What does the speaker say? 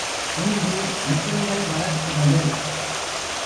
ஒன்று மற்றொன்றை வளர்க்கிறது.